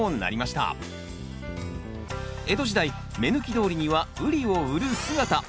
江戸時代目抜き通りにはウリを売る姿。